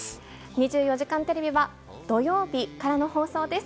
２４時間テレビは土曜日からの放送です。